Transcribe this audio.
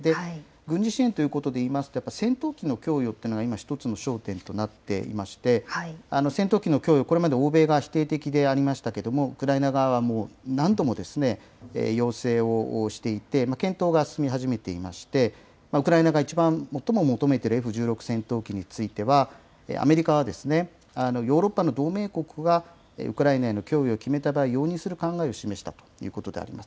軍事支援ということでいいますと、やっぱり戦闘機の供与というのが今、一つの焦点となっていまして、戦闘機の供与、これまで欧米が否定的でありましたけれども、ウクライナ側はもう何度も要請をしていて、検討が進み始めていまして、ウクライナが一番最も求めているＦ１６戦闘機については、アメリカは、ヨーロッパの同盟国はウクライナへの供与を決めた場合、容認する考えを示したということであります。